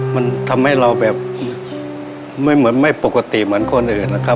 มันทำให้เราแบบไม่ปกติเหมือนคนอื่นนะครับ